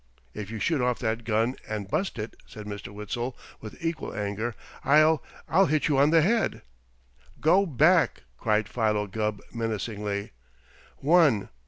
"If you shoot off that gun, and bust it," said Mr. Witzel, with equal anger, "I'll I'll hit you on the head." "Go back!" cried Philo Gubb menacingly. "One!"